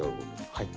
はい。